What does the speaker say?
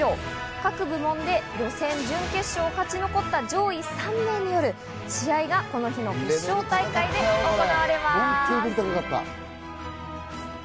各部門で予選、準決勝を勝ち残った上位３名による試合がこの日の決勝大会で行われます。